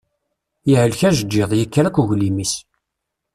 Yehlek ajeǧǧiḍ, yekker akk uglim-is.